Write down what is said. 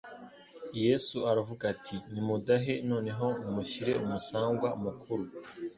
Yesu aravuga ati: "Nimudahe noneho mushyire umusangwa mukuru."